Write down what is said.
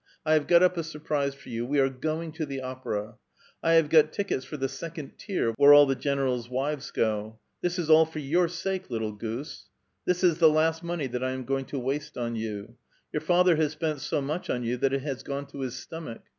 I have got up a surprise for you : we are going to the opera. I have got tickets for the second tier, where all the generals' wives go. This is all for your sake, little goose, [dAi^otchka'] ! This is the last money that I am going to waste on you. Your father has spent so much on you that it has gone to his stomach